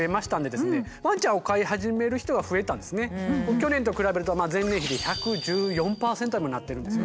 去年と比べると前年比で１１４％にもなってるんですよね。